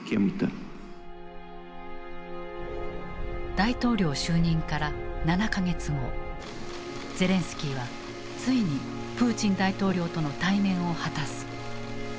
大統領就任から７か月後ゼレンスキーはついにプーチン大統領との対面を果たす。